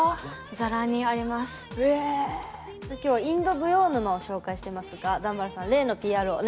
さあ今日は「インド舞踊沼」を紹介してますが段原さん例のＰＲをお願いします。